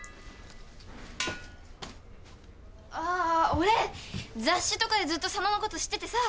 俺雑誌とかでずっと佐野のこと知っててさ。